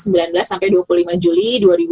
kemudian kita akan mencari